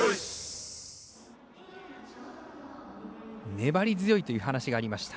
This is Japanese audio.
粘り強いという話がありました。